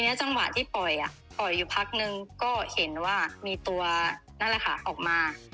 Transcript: จังหวะที่ปล่อยปล่อยอยู่พักนึงก็เห็นว่ามีตัวนั่นแหละค่ะออกมา